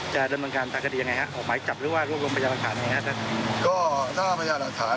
การทำโรยคดีอะไรหรือว่าร่วมพยาหลักฐานใหม่